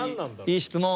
いい質問。